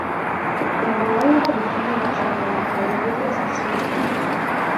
Ә малай уға бөтөнләй оҡшамаған, һары бөҙрә сәсле.